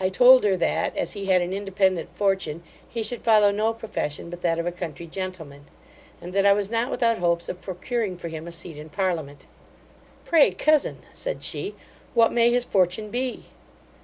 I told her, that, as he had an independent fortune, he should follow no profession but that of a country gentleman; and that I was not without hopes of procuring for him a seat in parliament 'Pray cousin (said she), what may his fortune be?